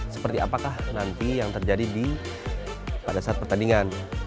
seperti apakah nanti yang terjadi pada saat pertandingan